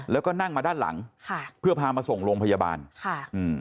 แล้วก็นั่งมาด้านหลังค่ะเพื่อพามาส่งโรงพยาบาลค่ะอืม